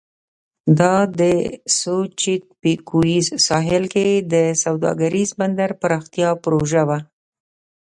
دا د سوچیتپیکویز ساحل کې د سوداګریز بندر پراختیا پروژه وه.